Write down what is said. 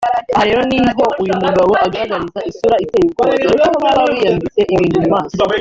Aha rero niho uyu mugabo agaragariza isura iteye ubwoba dore ko baba biyambitse ibintu mu maso